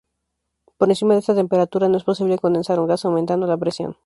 Por encima de esta temperatura no es posible condensar un gas aumentando la presión.